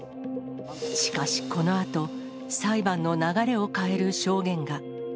しかし、このあと、裁判の流れを変える証言が。